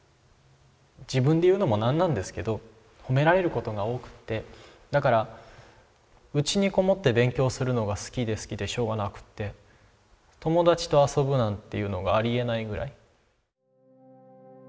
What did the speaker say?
自分で言うのもなんなんですけど褒められることが多くってだからうちにこもって勉強するのが好きで好きでしょうがなくって友達と遊ぶなんていうのがありえないぐらい。